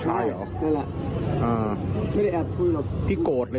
จับได้ก็เหลือพันสองทีแล้ว